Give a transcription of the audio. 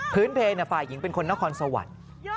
เพลงฝ่ายหญิงเป็นคนนครสวรรค์